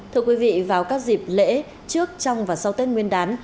thưa quý vị vào các dịp lễ trước trong và sau tết nguyên đán